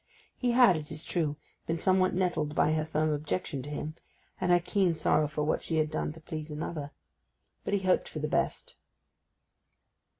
He had, it is true, been somewhat nettled by her firm objection to him, and her keen sorrow for what she had done to please another; but he hoped for the best.